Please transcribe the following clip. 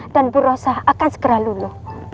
dan bu rasa akan segera luluh